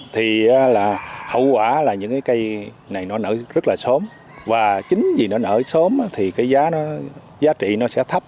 thì là hậu quả là những cái cây này nó nở rất là sớm và chính vì nó nở sớm thì cái giá nó giá trị nó sẽ thấp